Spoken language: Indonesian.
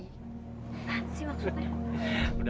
gak ada sih maksudnya